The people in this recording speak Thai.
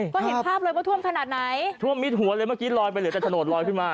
ก็เห็นภาพเลยว่าท่วมขนาดไหนท่วมมิดหัวเลยเมื่อกี้ลอยไปเหลือแต่โฉนดลอยขึ้นมา